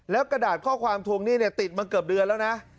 แล้วกระดาษข้อความทวงหนี้เนี่ยติดมาเกือบเดือนแล้วนะ